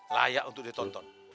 layak untuk ditonton